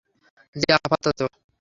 জি, আপাতত।